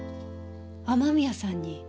雨宮さんに？